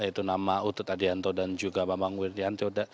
yaitu nama utut adianto dan juga bambang wirdianto